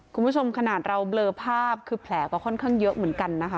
คุณผู้ชมขนาดเราเบลอภาพคือแผลก็ค่อนข้างเยอะเหมือนกันนะคะ